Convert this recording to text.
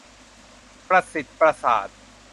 ประสิทธิ์ประสาท